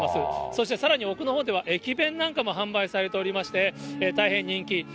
そしてさらに奥のほうでは、駅弁なんかも販売されておりまして、大変人気。